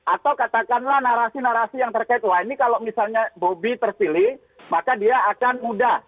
atau katakanlah narasi narasi yang terkait wah ini kalau misalnya bobi terpilih maka dia akan mudah